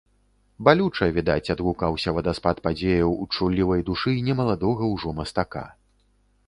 Балюча, відаць, адгукаўся вадаспад падзеяў у чуллівай душы не маладога ўжо мастака.